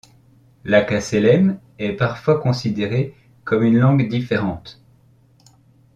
L’akaselem est parfois considéré comme une langue différente.